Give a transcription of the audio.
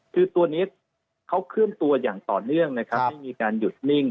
คือตัวนี้เขาเคลื่อนตัวอย่างต่อเนื่องนะครับไม่มีการหยุดนิ่ง